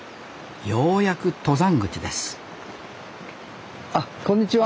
ようやく登山口ですあっこんにちは。